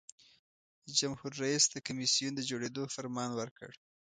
جمهور رئیس د کمیسیون د جوړیدو فرمان ورکړ.